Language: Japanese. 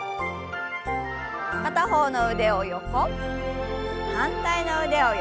片方の腕を横。